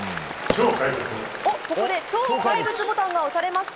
ここで超怪物ボタンが押されました。